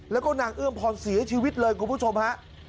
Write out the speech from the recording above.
แล้วก็นางเอื้อมพรเสียชีวิตเลยคุณผู้ชมฮะ